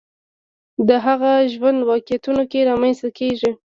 د هغه ژوند واقعیتونو کې رامنځته کېږي